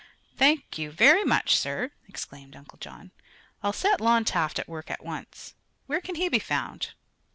"Thank you very much, sir!" exclaimed Uncle John. "I'll set Lon Taft at work at once. Where can he be found?"